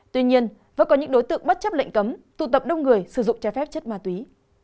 tuy nhiên vẫn có những đối tượng bất chấp lệnh cấm tụ tập đông người sử dụng trái phép chất ma túy